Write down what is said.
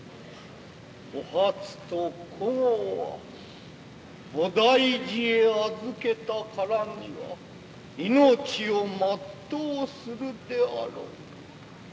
お初と江は菩提寺へ預けたからには命を全うするであろう。